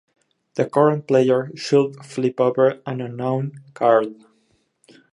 The current player should flip over an unknown card.